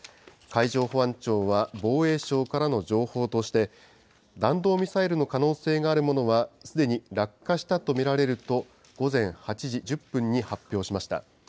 海上保安庁は防衛省からの情報として、弾道ミサイルの可能性があるものは、すでに落下したと見られると、午前８時１０分に発表しました。